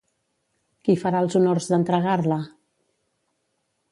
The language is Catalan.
Qui farà els honors d'entregar-la?